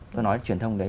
tôi nói là truyền thông đấy